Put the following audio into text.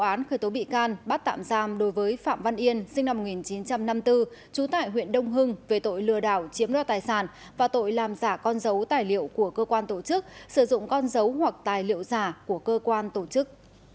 cơ quan an ninh điều tra công an khởi tố bị can bắt tạm giam đối với phạm văn yên sinh năm một nghìn chín trăm năm mươi bốn trú tại huyện đông hưng về tội lừa đảo chiếm đo tài sản và tội làm giả con dấu tài liệu của cơ quan tổ chức sử dụng con dấu hoặc tài liệu giả của cơ quan tổ chức